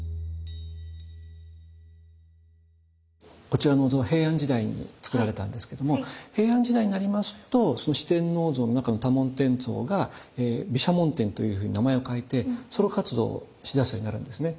こちらのお像は平安時代に造られたんですけども平安時代になりますと四天王像の中の多聞天像が毘沙門天というふうに名前を変えてソロ活動をしだすようになるんですね。